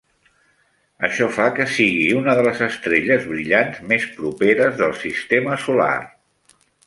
Això fa que sigui una de les estrelles brillants més properes del sistema solar.